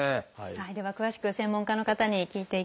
では詳しく専門家の方に聞いていきましょう。